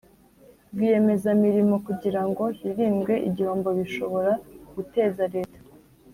Rwiyemezamirimo kugira ngo hirindwe igihombo bishobora guteza Leta